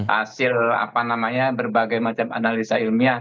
hasil apa namanya berbagai macam analisa ilmiah